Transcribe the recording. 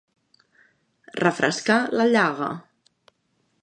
Refrescar la llaga.